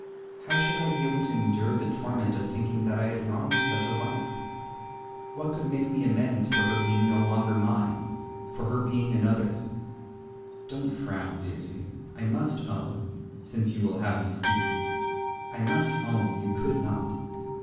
How should I be able to endure the torment of thinking that I had wronged such a wife? What could make me amends for her being no longer mine, for her being another's? Don't frown, Circe, I must own since you will have me speak I must own you could not.